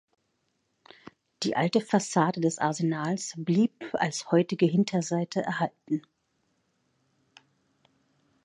Die alte Fassade des Arsenals blieb als heutige Hinterseite erhalten.